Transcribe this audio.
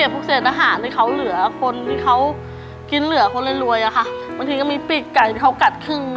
พอใส่ถุงก็หนูจะขี่หมดไซส์เก่ามาหาแม่กลางคืน